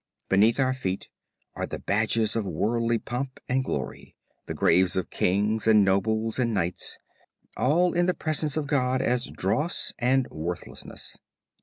Beneath our feet are the badges of worldly pomp and glory, the graves of Kings and Nobles and Knights; all in the Presence of God as dross and worthlessness.